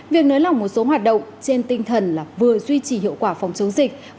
việc nới lỏng một số hoạt động trên tinh thần là vừa duy trì hiệu quả phòng chống dịch